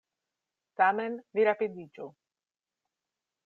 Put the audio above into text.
Tamen, vi rapidiĝu.